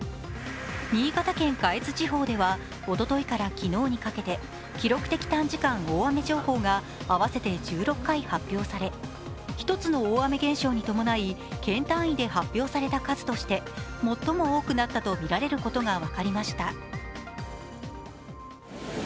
新潟県下越地方ではおとといから昨日にかけて記録的短時間大雨情報が合わせて１６回発表され、１つの大雨現象に伴い県単位で発表された一として最も多くなったとみられることが分かりました。